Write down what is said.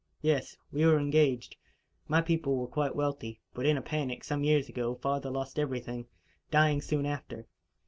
"Yes. We were engaged. My people were quite wealthy; but, in a panic, some years ago, father lost everything, dying soon after.